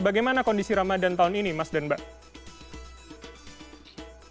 bagaimana kondisi ramadan tahun ini mas dan mbak